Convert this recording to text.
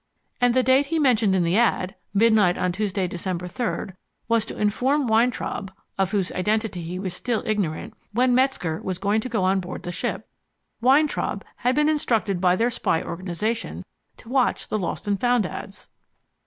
And the date he mentioned in the ad, midnight on Tuesday, December third, was to inform Weintraub (of whose identity he was still ignorant) when Metzger was to go on board the ship. Weintraub had been instructed by their spy organization to watch the LOST and FOUND ads."